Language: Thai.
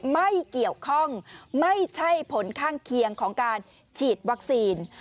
ไม่เกี่ยวข้องไม่ใช่ผลข้างเคียงของการฉีดวัคซีน